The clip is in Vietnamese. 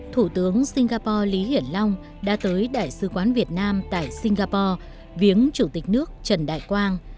thủ tướng singapore lý hiển long đã tới đại sứ quán việt nam tại singapore viếng chủ tịch nước trần đại quang